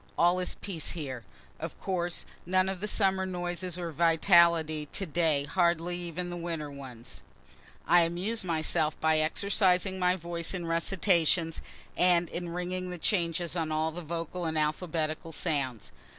All is peace here. Of course, none of the summer noises or vitality; to day hardly even the winter ones. I amuse myself by exercising my voice in recitations, and in ringing the changes on all the vocal and alphabetical sounds.